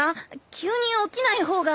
急に起きない方が。